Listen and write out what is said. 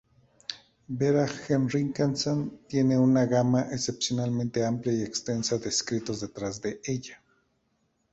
Vera Henriksen tiene una gama excepcionalmente amplia y extensa de escritos detrás de ella.